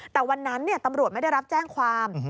แต่วันนั้นตำรวจไม่ได้รับแจ้งความ